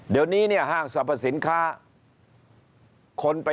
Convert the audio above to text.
เดี๋ยวนี้เนี่ยห้างสรรพสินค้าคนไป